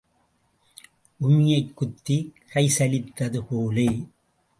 உமியைக் குத்திக் கை சலித்தது போல.